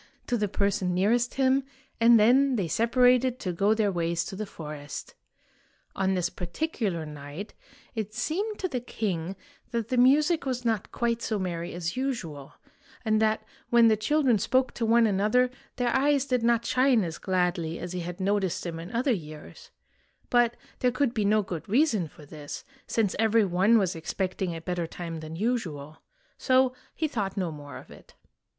" to the person nearest him, and then they separated to go their ways to the forest. On this particular night it seemed to the king that the music was not quite so merry as usual, and that when the children spoke to one another their eyes did not shine as gladly as he had noticed them in other years; but there could be no good reason for this, since every one was expecting a better time than usual. So he thought no more of it.